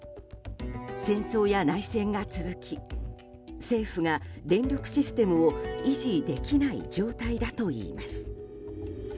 戦争や内戦が続き政府が電力システムを維持できない状態だといいます。